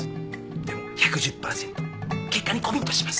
でも１１０％結果にコミットします。